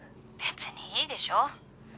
「別にいいでしょ」